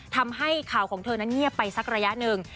ทำให้ข่าวของเธอนั้นเงียบไปสักระยะหนึ่ง